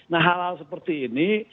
nah hal hal seperti ini